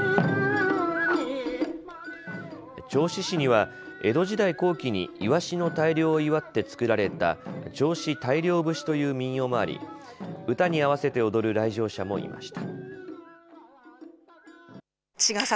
銚子市には江戸時代後期にいわしの大漁を祝って作られた銚子大漁節という民謡もあり歌に合わせて踊る来場者もいました。